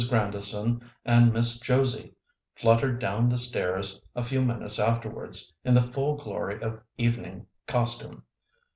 Grandison and Miss Josie fluttered down the stairs a few minutes afterwards in the full glory of evening costume.